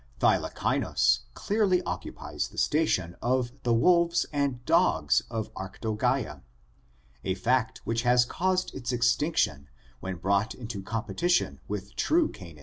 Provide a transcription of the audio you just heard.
Thylacynus clearly occupies the station of the wolves and dogs of Arctogoa, a fact which has caused its extinction when brought into competition with true canids (f.